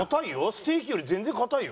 ステーキより全然硬いよ。